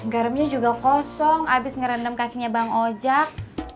garamnya juga kosong habis ngerendam kakinya bang ojak